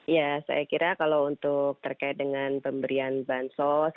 ya saya kira kalau untuk terkait dengan pemberian bansos